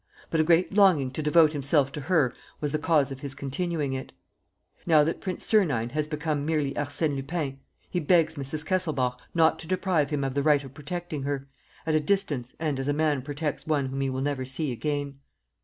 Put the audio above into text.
But a great longing to devote himself to her was the cause of his continuing it. "Now that Prince Sernine has become merely Arsène Lupin, he begs Mrs. Kesselbach not to deprive him of the right of protecting her, at a distance and as a man protects one whom he will never see again."